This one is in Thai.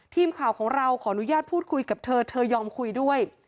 ทีมข่าวของเราขออนุญาตพูดคุยกับเธอเธอยอมคุยด้วย